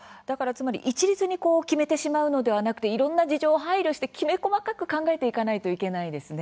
一律に決めてしまうのではなくて、いろいろな事情を配慮してきめ細かく考えていかなければいけないですね。